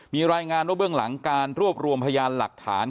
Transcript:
มีรายงานว่าเบื้องหลังการรวบรวมพยานหลักฐาน